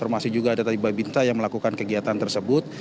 masih juga ada tadi babinta yang melakukan kegiatan tersebut